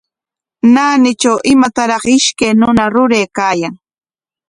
Naanitraw imataraq ishkay runa ruraykaayan.